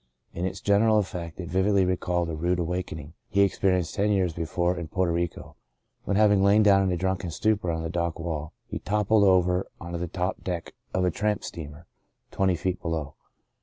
In its general effect it vividly recalled a rude awakening he ex perienced ten years before in Porto Rico, when having lain down in a drunken stupor on the dock wall he toppled over on to the deck of a tramp steamer, twenty feet below.